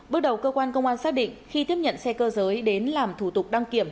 bước đầu cơ quan công an xác định khi tiếp nhận xe cơ giới đến làm thủ tục đăng kiểm